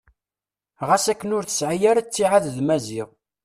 Ɣas akken ur tesɛi ara ttiɛad d Maziɣ.